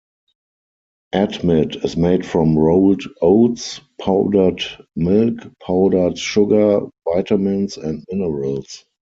Atmit is made from rolled oats, powdered milk, powdered sugar, vitamins, and minerals.